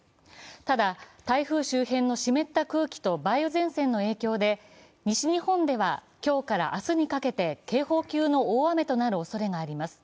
ただ、台風周辺の湿った空気と梅雨前線の影響で西日本では今日から明日にかけて警報級の大雨となるおそれがあります。